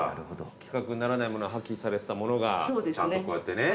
規格にならないもの破棄されてたものがちゃんとこうやってね。